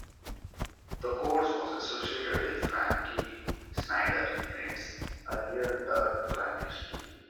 The course was associated with Frankie Schneider in its earlier dirt track history.